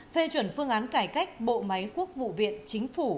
phê chuẩn phương án cải cách bộ máy quốc vụ viện chính phủ